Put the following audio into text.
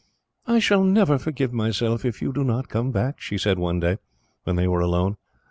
"I shall never forgive myself, if you do not come back," she said one day, when they were alone.